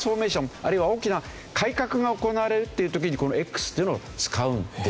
あるいは大きな改革が行われるっていう時にこのＸというのを使うんですよね。